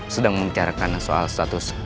sedang mengicarakan soal status